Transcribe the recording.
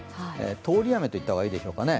通り雨と言った方がいいでしょうかね。